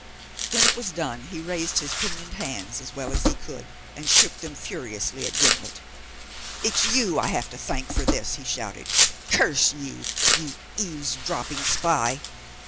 When it was done he raised his pinioned hands, as well as he could, and shook them furiously at Gimblet. "It's you I have to thank for this," he shouted. "Curse you, you eavesdropping spy.